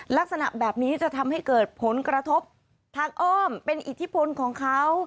ลักษณะแบบนี้จะทำให้เกิดผลกระทบทางอ้อมเป็นอิทธิพลของเขา